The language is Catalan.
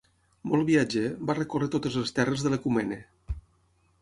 Molt viatger, va recórrer totes les terres de l'Ecumene.